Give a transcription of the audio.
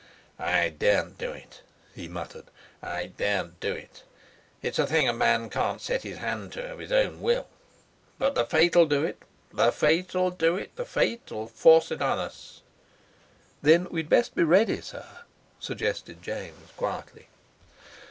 "I daren't do it," he muttered: "I daren't do it. It's a thing a man can't set his hand to of his own will. But the fate'll do it the fate'll do it. The fate'll force it on us." "Then we'd best be ready, sir," suggested James quietly.